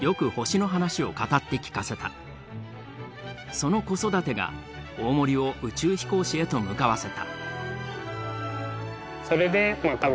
その子育てが大森を宇宙飛行士へと向かわせた。